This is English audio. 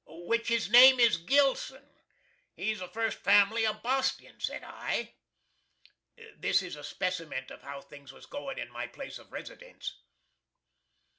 "Which his name is GILSON! He's a first family of Bostin," said I. .... This is a speciment of how things was goin' in my place of residence.